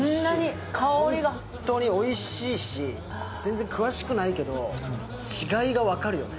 本当においしいし、全然詳しくないけど、違いが分かるよね。